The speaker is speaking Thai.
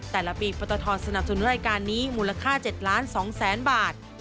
แต่ละปีปตทสนับสนุนรายการนี้มูลค่า๗๒๐๐๐๐บาท